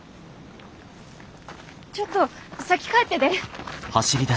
ちょっと先帰ってで！